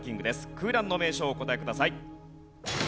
空欄の名所をお答えください。